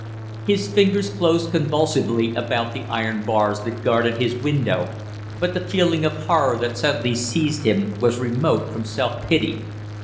His fingers closed convulsively about the iron bars that guarded his window, but the feeling of horror that suddenly seized him was remote from self pity.